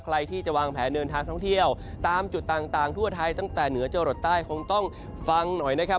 ใครที่จะวางแผนเดินทางท่องเที่ยวตามจุดต่างทั่วไทยตั้งแต่เหนือจรดใต้คงต้องฟังหน่อยนะครับ